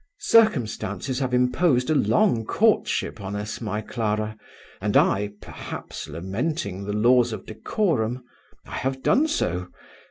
"Circumstances have imposed a long courtship on us, my Clara; and I, perhaps lamenting the laws of decorum I have done so!